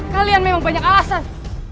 kalian memang banyak alasan